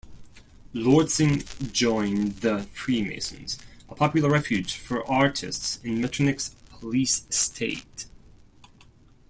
Lortzing joined the Freemasons, a popular refuge for artists in Metternich's police state.